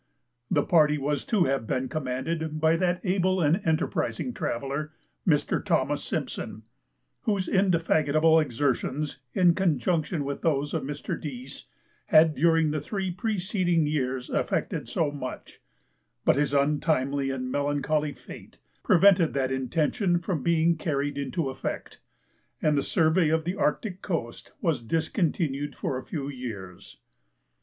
The party was to have been commanded by that able and enterprising traveller, Mr. Thomas Simpson, whose indefatigable exertions, in conjunction with those of Mr. Dease, had during the three preceding years effected so much; but his untimely and melancholy fate prevented that intention from being carried into effect, and the survey of the Arctic coast was discontinued for a few years.